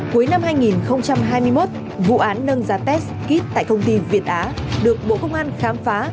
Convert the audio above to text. cuối năm hai nghìn hai mươi một vụ án nâng giá test kit tại công ty việt á được bộ công an khám phá